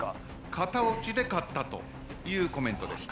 型落ちで買ったというコメントでした。